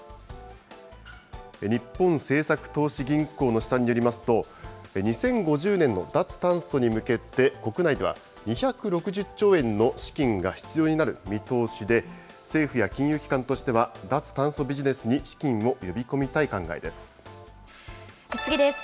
日本政策投資銀行の試算によりますと、２０５０年の脱炭素に向けて国内では２６０兆円の資金が必要になる見通しで、政府や金融機関としては脱炭素ビジネスに資金を呼び次です。